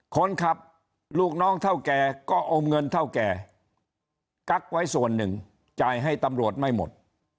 คนขับลูกน้องเท่าแก่ก็อมเงินเท่าแก่กักไว้ส่วนหนึ่งจ่ายให้ตำรวจไม่หมด